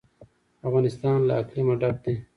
افغانستان له اقلیم ډک دی.